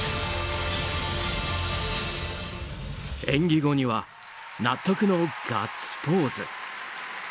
演技後には納得のガッツポーズ。